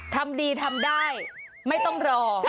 ทำดีทำได้ไม่ต้องรอ